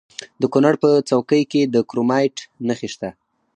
د کونړ په څوکۍ کې د کرومایټ نښې شته.